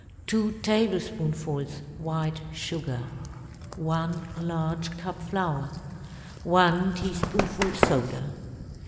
2 tablespoonfuls white sugar. 1 large cup flour. 1 teaspoonful soda.